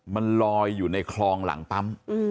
มันลอยอยู่ในคลองหลังปั๊ม